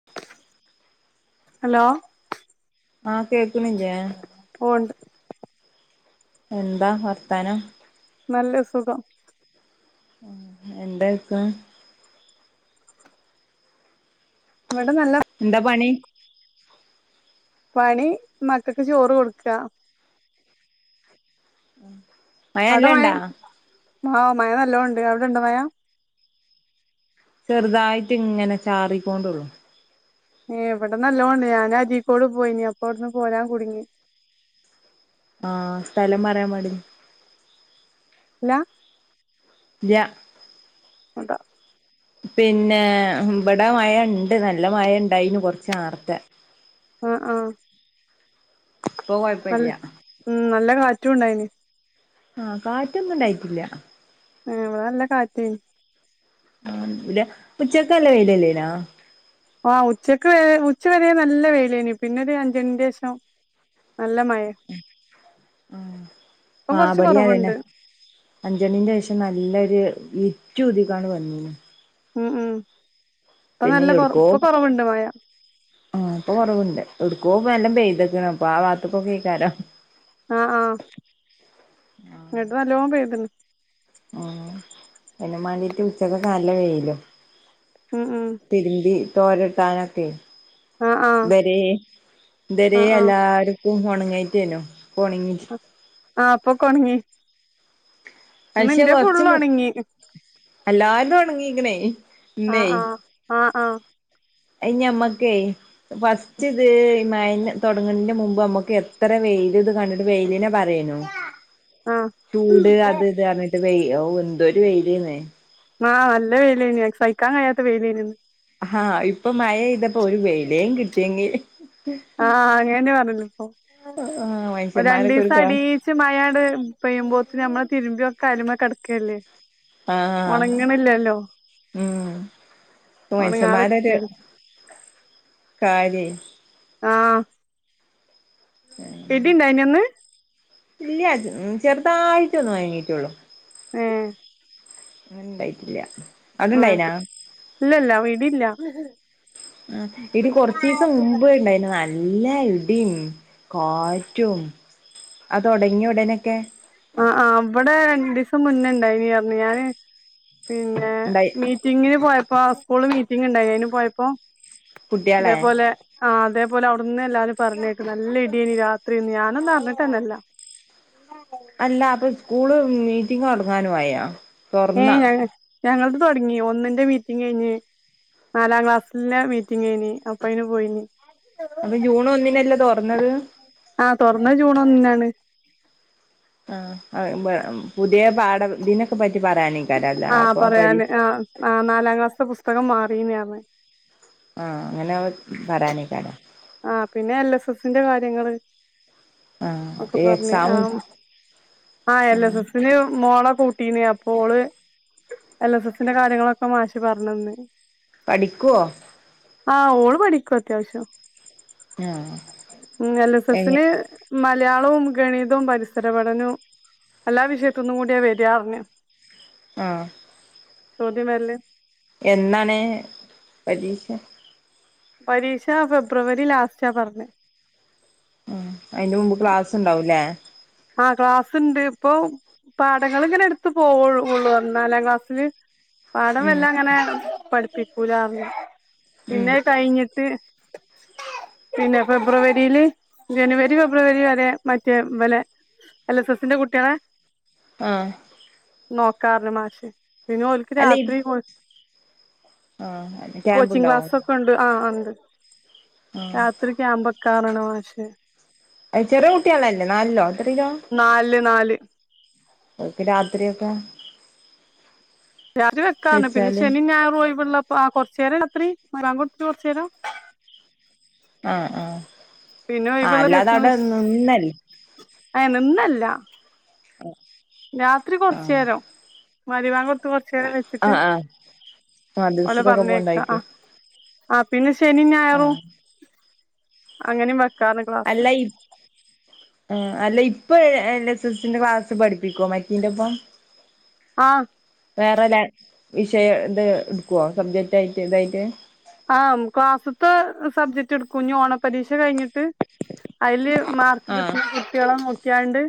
[inaudible] Hello ആ കേക്ക്ണില്ലേ ഓണ്ട് എന്താ വർത്താനം നല്ലത് സുഖം ഉം എന്താ ഇട്ക്ക്ണ് ഇവടെ നല്ല എന്താ പണി പണി മക്കക്ക് ചോറ് കൊടുക്ക മ്മ് അവടെ മയ ഓ മയ നല്ലോണ്ട് അവിടെണ്ടോ മയ ചെറുതായിട്ട് ഇങ്ങനെ ചാറിക്കൊണ്ടുള്ളു ഏ ഇവിടെ നല്ലോണ്ട് ഞാൻ അരിക്കോട് പോയിനി അപ്പവിടന്ന് പോരാൻ കുടുങ്ങി ആഹ് സ്ഥലം പറയാൻ മടി ല്ല ല്ല്യ അതാ പിന്നെ ഇവിടെ മഴണ്ട് നല്ല മഴ ഇണ്ടായിനു കൊറച്ച് നാർത്തെ ആഹ് ആഹ് അപ്പോ കൊഴപ്പല്ല ഉം നല്ല കാറ്റും ഇണ്ടായിനി ആഹ് കാറ്റൊന്നും ഇണ്ടായിട്ടില്ല ഉം ഇവിടെ നല്ല കാറ്റേനി ആഹ് ലെ ഉച്ചക്കല്ല വെയിലല്ലേനാ ആഹ് ഉച്ചക്ക് ഉച്ച വരെ നല്ല വെയിലേനി പിന്നെ ഒരു അഞ്ചെണിന്റെ ശേഷം നല്ല മഴെ ഉം ഇപ്പം ആഹ് ആഹ് കൊറച്ച് ഇവിടേം കൊറവുണ്ട് അതന്നെ അഞ്ചണിന്റേഷം നല്ലൊരു ഇരുറ്റൂടിക്കാണ്ട് വന്നീനു ഉം ഉം ഇപ്പൊ പിന്നെ നല്ല കൊറ എവിടക്കോ ഇപ്പൊ കൊറവ്ണ്ട് മഴ ആഹ് ഇപ്പൊ കൊറവ്ണ്ട് ഔട്ക്കോ ഇപ്പ നല്ലം പെയ്ത്ക്ക്ണ് അപ്പ ആ വാത്ത്ക്കൊക്കെ എയ്ക്കാരം ആഹ് ആഹ് ഇങ്ങട്ട് നല്ലോം പെയ്ത്ണ് ഉം അയിനും മാണ്ടിറ്റ് ഉച്ചക്കൊക്കെ നല്ല വെയിലും ഉം ഉം തിരുമ്പി തോരട്ടാനൊക്കെ ആ ആ തരേ തരേ ആ ആ എല്ലാർക്കും ഉണങ്ങായിട്ടേനു ഇപ്പ ഉണങ്ങിറ്റ് ആഹ് ഇപ്പൊക്കൊണങ്ങി പക്ഷെ കൊറച്ച് ഫുള്ള് ഒണങ്ങി എല്ലാര്തും ഒണങ്ങിക്ക് ണേ ആഹ് ആഹ് ആഹ് ആഹ് അയ് ഞമ്മക്കേ ഫസ്റ്റ് ഇത് മഴന്നെ തൊടങ്ങ്ണെന് മുമ്പ് നമുക്ക് എത്ര വെയിൽ ഇത് കണ്ടിട്ട് വെയിലിനേ പ റേനു ആഹ് ചൂട് അത് ഇത് പറഞ്ഞിട്ട് വെയ് അവൂ എന്തൊരു വെയിലെന്ന് ആഹ് നല്ല വെയിലേനു സഹിക്കാൻ കഴിയാത്ത വെയിലേനു അന്ന് ആഹ് ഇപ്പൊ മഴ പെയ്തപ്പോ ഒരു വെയിലേം കിട്ടിയെങ്കി ആഹ് അങ്ങനെ പറഞ്ഞന്നു ഇപ്പോ ആ ഒരു മനുഷ്യന്മാരൊക്കെ രണ്ടീസം കാ അടീ ച്ച് മഴാട് പെയ്യുമ്പോത്തിന് നമ്മള് തിരുമ്പിയൊക്കെ അയൽമ്മേ കട്ക്കല്ലേ ആഹ് ഉം പ്പൊ മൻഷ്യമാരൊര് ഒണങ്ങാതെക്കല്ലേ കാര്യേ. ആഹ് ഇടിണ്ടായിനോ ഇന്ന് ഇല്ല്യ ചെറ്തായിറ്റ് ഒന്ന് മയങ്ങീറ്റൊള്ളു. ഏഹ്. ന്ന് ണ്ടായ്റ്റ്ല്ല്യ ഏഹ് അവ്ടണ്ടായിനാ? ഇല്ലല്ല വിടില്ല. ആഹ് ഇടി കൊറച്ചീസം മുമ്പ് ണ്ടായിന് ന നല്ല ഇടിം കാറ്റും ആ തൊടങ്ങ്യ ഉടനൊക്കെ ആഹ് ആഹ് ഇവടെ രണ്ടീസം മുന്നേ ഇണ്ടായിനി അർഞ്ഞ് ഞാന് പിന്നെ ഇണ്ടായി. മീറ്റിങ്ങിന് പോയപ്പോ സ്കൂ ള്മീറ്റിങ്ങ് ണ്ടായ്ന് അയ്‌ന് പോയപ്പോ കുട്ട്യാളെ തേപോലെ ആഹ് അതേപലെ അവുട്ന്ന് എല്ലാരും പറഞ്ഞേക്ക നല്ല ഇടിഏനി രാത്രിന്ന്. ഞാനൊന്നു അറിഞ്ഞിട്ടെന്നല്ല. [unintelligible] അല്ല അപ്പൊ സ്കൂള് മീറ്റിംഗ് തൊടങ്ങാനും ആയോ? ഏ ഞങ്ങക് ഞങ്ങളത് തൊടങ്ങി ഒന്നിന്റെ മീറ്റിംഗയ്ഞ്ഞ് നാലാ ക്ലാസ്സിലെ മീറ്റിങ്ങെയ്നി അപ്പ അയ്ന് പോയിനി. അപ്പൊ ജൂൺ ഒന്നിനല്ലെ തൊറന്നത്? ആ തൊറന്ന ജൂണോന്നിനാണ്. ആഅയ് പുത്യേ പാഠം ഇതിനൊക്കെ പറ്റി പറയാനെ ആ പറയാന്. ആ നാ നാലാം ക്ലാസ്ത്തെ പുസ്തകം മാറീനേ ണ്. ആഹ് അങ്ങനെവ് പറയാനേക്കാരം. ആഹ് പിന്നെ എൽ എസ് എസിന്റെ കാര്യങ്ങള് ആഹ് ഒക്കെ പർഞ് ആ. എക്സാമും ആ എൽ ആഹ് എസ് എസില് മോളെ കൂട്ടീന് അപ്പോള് എൽ എസ് എസിന്റെ കാര്യങ്ങളൊക്കെ മാഷ് പറഞ്ഞന്ന് പഠിക്കോ? ആഹ് ഓള്പഠിക്കു അത്യാവശ്യം. ആഹ് മ് എൽ എസ് എങ്ങ സെസിന് മലയാളും ഗണിതും പരിസര പഠനും എല്ലാ വിഷയത്ത്ന്നും കൂട്യ വെരാർഞ്. ആഹ്. ചോദ്യംവെരല്. എന്നണ്.. പരീക്ഷ? പരീക്ഷ ഫെബ്രുവരി ലാസ്റ്റാ പറഞ്ഞെ. ഉം അയിന്റെ മുമ്പ് ക്ലാസ്സ്ണ്ടാവുലേ? ആഹ ക്ലാസ്സ് ണ്ട് പ്പൊ പാടങ്ങള് ഇങ്ങനെട്ത്ത് പോവോള്ളു ള്ളൂർഞ് നാലാ ക്ലാസ്സില് പാഠം ഉം വല്ല അങ്ങനെ പഠിപ്പിക്കൂലാർണ്. ഉം പിന്നെ അയ് കയിഞ്ഞിട്ട് പിന്നെ ഫെബ്രുവരില് ജനുവരി ഫെ ബ്രുവരി വരെ മറ്റേ വലെ എൽ എസ് എസിന്റെ കുട്ട്യേളെ ആഹ്. നോക്കാർണ് മാഷ്. പിന്നെ ഒൽക്ക് അല്ല ഇ രാത്രി പൊ ആഹ് ക്യാമ്പ് കോച്ചിങ് ഉണ്ടാവും ക്ലാസൊക്കെ ണ്ട് ആ ആ ണ്ട് ആഹ് രാ ഒര് ക്യാമ്പ് വെക്കാർണ് ണ് മാഷ്. ചെറിയ കുട്ട്യാളല്ലേ നാലില്ലോ എത്രെലോ? നാല്ല് നാല്. ക്ക് രാത്രിയൊക്കെ രാത്രി വെക്കാർണ്. പിന്നെ വെച്ചാല് ശെനി ഞായറു ഒയിവ്ള്ളപ്പൊ ആ കൊറച്ചേരം രാത്രി ബങ്കോട്ത്ട്ട് കൊറച്ചേരം ആ ആഹ്. പിന്നെ ആ ഒഴിവുള്ള അല്ലാതെ അവ്ടെ നിന്നല് അയ് നിന്നല്ല [unintelligible] രാത്രി ആഹ് കൊറച്ചേരം. മരിബാങ്ക് കൊടുത്ത് കൊറച്ചേരം വെച്ചിട്ട് ആഹ് ആഹ് ഓലെ മദ്രസക്കൊക്കെ പറഞ്ഞയ്ക്കാ പോവ്ണ്ടായിക്കും ആഹ്. ആഹ് പിന്നെ ശെനി ഞായറും ആഹ് അങ്ങനേ വ അല്ലയിപ്പ് ആഹ് അല്ല ഇപ്പൊ എൽ എസ സ്സിന്റെ ക്ലാസ്സ് പഠിപ്പിക്കോ മറ്റേന്റെപ്പം ആഹ് വേറെ ല വിഷയം ഇത് എട്ക്കുവോ സബ്ജക്റ്റായിട്ട് ഇതായിട്ട് ആഹ് ക്ലാസ്സത്തെ സബ്ജക്റ്റ് എട്ക്കുംഞ്ഞി ഓണപരീഷ കഴിഞ്ഞിട്ട് അയില് മാർക്ക് ആഹ് കിട്ടിയ കുട്ടികളെ നോക്കിയാണ്ട്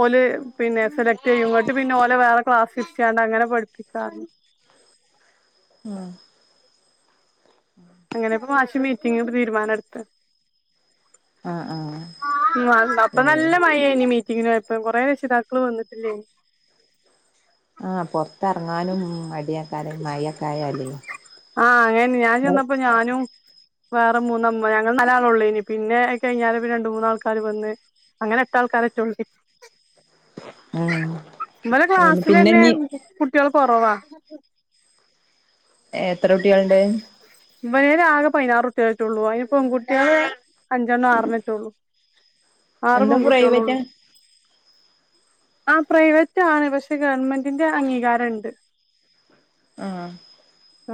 ഓല് പിന്നെ സെലക്റ്റെയ്യും ഇങ്ങട്ട് പിന്നെ ഓലെ വേറെ ക്ലാസിലിത്തിയാണ്ട് അങ്ങനെ പഠിപ്പിക്കാ ഉം അങ്ങനെ ഇപ്പ മാഷ് മീറ്റിങ്ങ്കൂ‌ടി തീരുമാനം എട്ത്തേ ആഹ് ആഹ് ഉം അപ്പ ഉം നല്ല മഴേനി മീറ്റിങ്ങിന്പൊയപ്പം കൊറെ രക്ഷിതാക്കള് വന്നിട്ടില്ലേന് ആഹ് പൊറത്ത് എറങ്ങാനും മടിയക്കാരം മയഒക്കെ ആയാലേ ആഹ് അങ്ങനെ ഞാൻ ചെന്നപ്പോ ഞാനും വേറെ മൂന്നമ്മ ഞങ്ങള് നലളെള്ളേനി പിന്നെ അയ്കഴിഞ്ഞാല് പിന്നെ രണ്ട് മൂന്നാൾക്കാര് വന്ന് അങ്ങനെ എട്ടാൾക്കാരെറ്റൊള്ളൂ ഉം നമ്മളെ പിന്നെ ക്ലാസ്സിലന്നെ ഇഞ്ഞ് കുട്ടികള് കൊറവാ എത്ര കുട്ടികള്ണ്ട്? ഇവരയ്ലാകെ പതിനാറ് കുട്ടികളെറ്റൊള്ളൂ അയില് പെൺകുട്ടിള് അഞ്ചെണ്ണം ആറെണേറ്റള്ളൂ ആറ് എന്താ പെൺകുട്ടിയാളൊള്ളൂ. പ്രൈവറ്റാ ആഹ് പ്രൈവറ്റാണ് പക്ഷെ ഗവൺമെന്റിന്റെ അംഗീകാരംണ്ട്. ആഹ്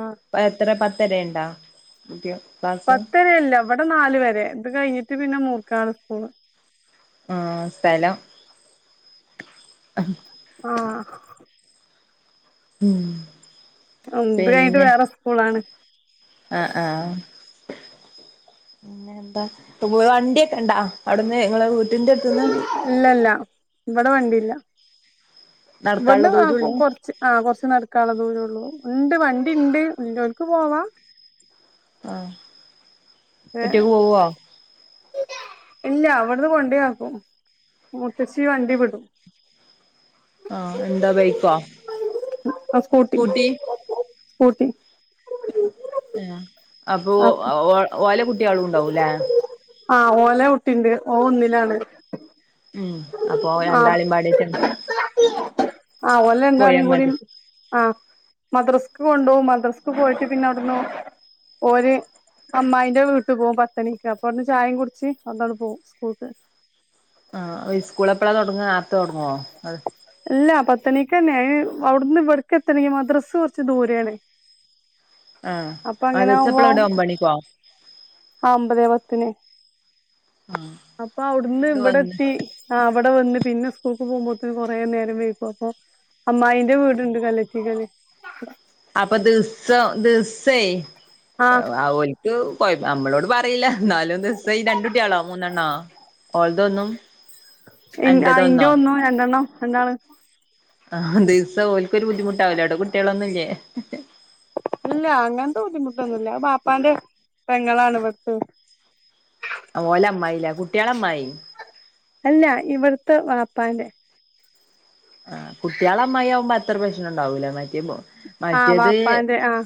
ആ പഎത്ര പത്തരയ്ണ്ടോ? പത്തരയല്ല വ്ടെ നാലു വരെ ഇത് കഴിഞ്ഞിട്ട് പിന്നെ മൂർക്കനാട് സ്കൂള്. ഉം സ്ഥലം [unintelligible] ആഹ് ഉം ഇത് കഴ്ഞ്ട്ട് പിന്നെ വേറെ സ്കൂളാണ്. ആഹ് ആഹ് പിന്നെ എന്താ? വ് വണ്ടിയൊക്കെണ്ടോ അവ്ട്ന്ന് ഇങ്ങളെ വീട്ടിന്റെ അട്ത്തുന്ന് ഇല്ല ഇല്ല ഇവ്ടെ വണ്ടിയില്ല. നടക്കാനുള്ള ഇവ്ട്ന്ന് കൊ ദൂരള്ളൂ കൊർ ച്ച് ആഹ് കൊറച്ച് നടക്കാൻള്ള ദൂരൊള്ളൂ ണ്ട് വണ്ടിയിണ്ട് ഉള്ളോൽക്ക്‌പോവാ ആഹ് ഏ ഒറ്റക്ക് പോവോ? ഇല്ല ഇവ്ട്ന്ന് കൊണ്ടയാക്കും മൂത്തച്ചി വണ്ടി വിടും. ആഹ് എന്താ ബൈക്കോ സ്കൂട്ടി സ്കൂട്ടി ഉം അപ്പൊ ആ ഓ ഓ ഓലെ കുട്ടികളുംണ്ടാവൂലേ ആഹ് ഓലെ കുട്ടിണ്ട് ഓൻ ഒന്നിലാണ്. ഉം അപ്പൊ രണ്ടാളേം ആ പാടെ റ്റാണ്. ആഹ് ഓലെ രണ്ടാളേംകൂടിം മതി ആഹ് മദ്രസ്ക്ക് കൊണ്ടൊവും മദ്രാസ്ക്ക് പോയിട്ട് പിന്നെ അവ്ട്ന്ന് ഓര് അമ്മായിന്റെ വീട്ട്പോകും പത്തണിക്ക് അപ്പൊ അവ്ട്ന്ന് ചായേം കുടിച്ച് അവ്ട്ന്നങ്ങ്പോവും സ്കൂൾക്ക്. ആഹ് സ്കൂള് എപ്പഴ തൊടങ്ങ ആർത്ത തൊടങ്ങുവോ അ ഇല്ല പത്ത്ണിക്ക്ന്നെന് അവിടുന്ന് ഇവിടക്ക് എത്തണെങ്കി മദ്രസ്സ് കൊറച്ച് ദൂരെണ്. ആഹ് മദ്യസ എപ്പളാ വിട ഒപത്ത്മണിക്കോ? ആ ഒമ്പതേ പത്തിന് അപ്പൊ അവിടുന്ന് ഇങ്ങട് വന്ന് ഇവിടെത്തി. ആ അവിടെ വന്ന് പിന്നെ സ്കൂൾക്ക് പോകുമ്പോത്തന് കൊറേ നേരം വിക്കും. അപ്പൊ അമ്മായി ന്ററവീടുണ്ട് കലത്തികൾ അപ്പൊ ദിസം ദിസംയ് ആഹ് ഓല്ക്ക് കൊയ്നമ്മളോട് പറീല്ല. ന്നാലൂന്ന് ദിവസം ഈ രണ്ട് കുട്ടികളോ മൂന്നെണ്ണാ ഓൾതൊന്നും. ആ ഇന്റെ അന്റതൊന്നോ ഒന്നും രണ്ടെണ്ണം രണ്ടാ ണ്. ആ ദിവസം ഓല്ക്കൊരു ബുദ്ധിമുട്ടാവലോ അവിടെ കുട്ടികളൊന്നുംല്ലേ. ഇല്ല അങ്ങനത്തെ ബുദ്ധിമുട്ടൊന്നുല്ല. ബാപ്പാന്റെ പെങ്ങളാണ് ഇവട്തെ ഓല അ്മായിലേ കുട്ടികളമ്മായി അല്ല ഇവിടത്തെ വാപ്പാന്റെ ആ കുട്ട്കള അ്മായിയാവുമ്പോ അത്ര പ്രശ്നം ഉണ്ടാവൂലേ മാറ്റ്യയെ ആ് വാപ്പാന്റെ ആഹ്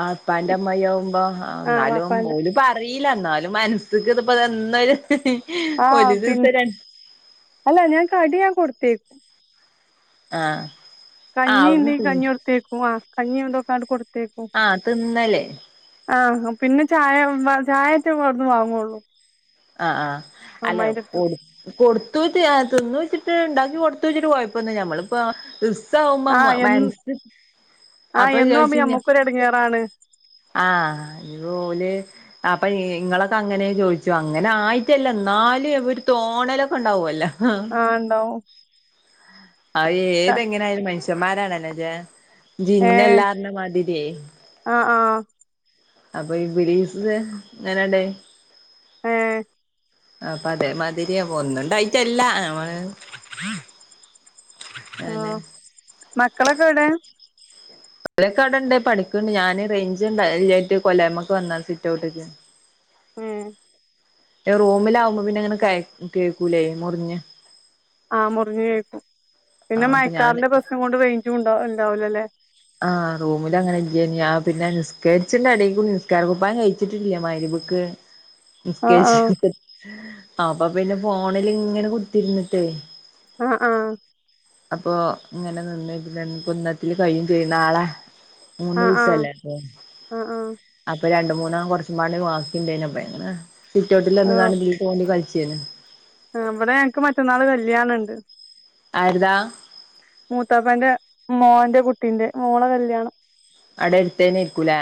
ആ പ്പന്റെ അമ്മയാവുമ്പോ ആ ന്നാലും ഓല് പ റീല്ല എന്നാലും മനസ്സ്ക്ക് ഇതൊന്നൊര് ഹ ആഹ് പി അല്ല ഞാൻ കടി ഞൻ കൊടുത്ത്അയക്കും. ആഹ് കഞ്ഞിണ്ട് കഞ്ഞി കൊടുത്തേക്കും ആ കഞ്ഞി എന്തോ ക്കൊണ്ട്. ആഹ തിന്നല്. ആഹ് പിന്നെ ചായ ചായറ്റ അവ്ട്ന്ന് വാങ്ങൊള്ളൂ. ആഹ ആഹ അല്ല പോ കൊടുത്തുച്ച് തിന്നൂച്ച്ട്ട് ഇണ്ടാക്കി കൊടുത്തു ച്ച്ട്ട് കൊയപ്പന്നൂം ല്ല ഞമ്മളിപ്പ ആ എ സമൻസ്സ് ആ അപ്പ എന്നും ആവുമ്പോ ചോയിച്ച് ഞാ ഞമ്മക്കൊരു എടങ്ങേറാണ്. ആഹ് ഓല് അപ്പൊ ഇങ്ങളൊക്കെ അങ്ങനെ ചോദിച്ചു അങ്ങനെ ആയിട്ടല്ല എന്നാലും എ ഒരു തോണലൊക്കെ ഉണ്ടാവോല്ലോ. ആണ്ടാവും. അ ഏതെങ്ങനെയായാലും മനുഷ്യന്മാരാണ്ലോ ഏ ജിന്ന്ല്ലാ പറഞ മാതിരി. ആ ആ അപ്പൊ ഈബ്ലിസ് എങ്ങനൊണ്ട്. ഏ അപ്പ അതേമാതിരി അ ഒന്നുംണ്ടായിട്ടല്ല. നമ്മള് ആഹ അന്നെ മക്കളൊക്കെവിടെ. ളൊക്കെഅവടണ്ട് പഠിക്ക്ണ്ട് ഞാൻ റേഞ്ച് ഇലയ്റ്റ്ട്ട് കൊല്ലായ്മക്ക് വന്നാ സിറ്റ് ഔട്ട്ക്ക്. ഉം റൂമിലാവകുമ്പോ പിന്നെങ്ങനെ കേൾക്കൂല മുറിഞ്ഞ്. ആഹ് മുറിഞ്ഞഞ് കേക്കും. ആ പിന്നെ അപ്പൊ ഞാന് മഴക്കാറിന്റെ പ്രശ്നം കൊണ്ട് റെയിഞ്ചും ഉണ്ടാവും ഉണ്ടാവൂലേല അല്ലെ ആഹ റൂമില അങ്ങനെല്ല ഞാ പിന്നെ നിസ്കരിച്ചിണ്ട് ഇടെക്കൂടി നിസ്കാര കുപ്പായം കഴിച്ചിട്ടില്ല മഗ്രി രിബിക്ക്. [inaudible] ആഹ് ആഹ് നിസ്കരിചിട്ട് അപ്പൊ പിന്നെ ഫോണിൽ ഇങ്ങനെ കുത്തിരുന്നിട്ടേ. അ ഹാ അപ്പൊ ഇങ്ങനെ നിന്നിട്ട് ഇന്നത്തില്ൽ കഴിയുംചോയും നാളെ മൂന്ന് ആഹ് ദിവസല്ലേ അപ്പ ആഹ് ആഹ് അപ്പൊ രണ്ട് മൂന്നാ കൊറ ഉമ്മാന്റെ ബാക്കിണ്ടേയ്നു സിറ്റോ ഔട്ടില് വന്ന് ങ്ങട് ഇതില് തോണ്ടി കളിച്ചേനു. അവിടെ ഞങ്ങക്ക് മറ്റന്നാള് കല്യാണംണ്ട്. ആര്താ മൂത്താപ്പന്റെ മോന്റെ കുട്ടീന്റെ മോളെ കല്യാണം അടെട്ത്തെന്നേര്ക്കും ലേ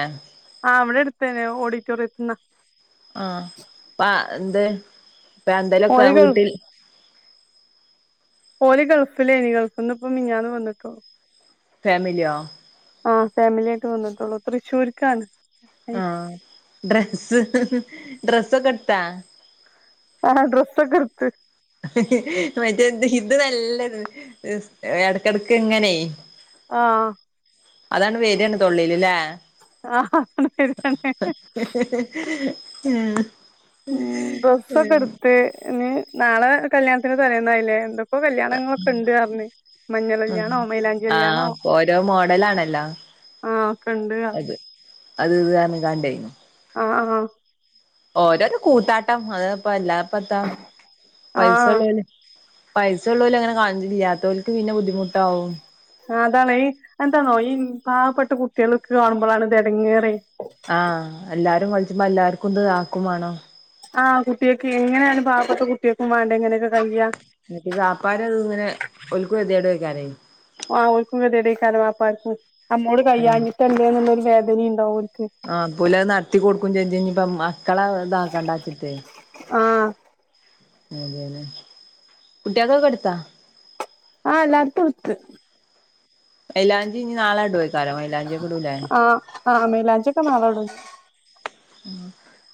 ആ ഇവടെ അട്ത്തെന്നെ ഓഡിറ്റോറിയത്ത്ന്ന ആ പ ന്ത് പ്പന്തേലൊക്കെ ഓല് ഗൾഫ് വീട്ടിൽ ഓര് ഗൾഫിലേനി ഗൾഫ്ന്ന്പ്പം മിഞ്ഞാന്ന് വന്ന്ട്ടൊള്ളു ഫാമില്യോ ആ ഫാമിലിയായിട്ട് വന്നിട്ടൊള്ളൂ തൃശൂര്ക്കാണ് ആ ഡ്രെസ്സ് ഡ്രെസ്സൊക്ക്‌ട്ത്താ ആ ഡ്രസ്സൊക്ക്‌ട്ത്ത് മറ്റേ ത് ഇത് നല്ലൊര് ത് എടക്കെടക്കിങ്ങനേ ആ അതാണ്ട് വെരാണ് തൊള്ളേല് ലേ ആഹ [unintelligible] ഏ ഉം ഏ ഡ്രസ്സൊക്കെ എടുത്ത് ഇനി നാളെ കല്യാണത്തിന്റെ തലേന്നായില്ലേ എന്തൊക്കോ കല്യാണങ്ങളൊക്കെണ്ട് പർഞ്ഞ് മഞ്ഞള് ആഹ് കല്യാണോ മൈലാഞ്ചി ആഹ് കല്യാണോ ഇപ്പൊ ഓരോ മോഡലാണല്ലോ ആ ഒക്കെണ്ട് ർ അത് അത് ഇത് പർഞ്ക്കാണ്ടേ ആആ ഓരോരോ കൂത്താട്ടം അത്പ്പ അല്ലാപ്പെന്താ ആഹ് പൈസള്ളോര് പൈസള്ളോല്ങ്ങനെ കാണിച്ചിട്ടില്ലാത്തോൽക്ക് പിന്നെ ബുദ്ധിമുട്ടാവും ആതാണേ ഈ എന്താന്നോ ഈ പാവപ്പെട്ട കുട്ട്യാള്ക്ക്‌ കാണുമ്പളാണിതെടങ്ങേറെ ആ എല്ലാരും വിൾച്ചുമ്പോ എല്ലാര്ക്കുംത് ആക്കും വാണം ആ കുട്ട്യാക്ക്‌ ഇങ്ങനായാലും പാവപ്പെട്ട കുട്ട്യാക്കും വാണ്ടേ ഇങ്ങനൊക്കെ കയ്യാ ന്ന്ട്ട് വാപ്പാരും അത്ങ്ങനെ ഓൽക്കും ഗതികേടെക്കാരെ ആ ഓൽക്കും ഗത്യേടെക്കാരം വാപ്പാര്ക്കും അമ്മോട് ആഹ് കയ്യാഞ്ഞിട്ടല്ലേന്ന്ള്ളൊരു വേദനെണ്ടാവും ഓൽക്ക് ആ പ്പോലത് നട്ത്തി കൊടുക്കും ചെജ്ജും ഞ്ഞിപ്പമ്മാ ട്ട്യാള താക്കണ്ടച്ച് ട്ടെ ആഹ് അതേനെ കുട്ട്യാക്കൊക്കെട്ത്തോ ആ എല്ലാര്ക്കുട്ത്ത് മൈലാഞ്ചി ഇനി നാളെടുവേക്കാരം മ ആ ആ മൈലാഞ്ചിയൊക്കെ നാളെടും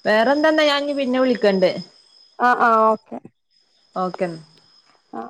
വേറെന്താന്നാ ഞാനി പിന്നെ വിൾക്കണ്ട് ആ ആ ഓക്കെ ഓക്കെന്ന ആ